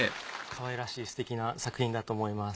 かわいらしいすてきな作品だと思います。